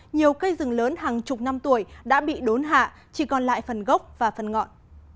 nhiều cây rừng lớn hàng chục năm tuổi đã bị đốn hạ chỉ còn lại phần gốc và phần ngọn